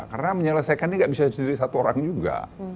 karena menyelesaikan ini enggak bisa sendiri satu orang juga